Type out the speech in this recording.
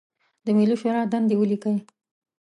د ملي شورا دندې ولیکئ.